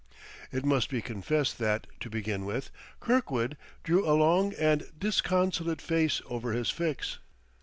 It must be confessed that, to begin with, Kirkwood drew a long and disconsolate face over his fix.